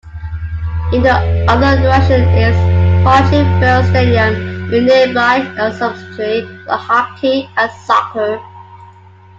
In the other direction is Hartleyvale Stadium, in nearby Observatory, for hockey and soccer.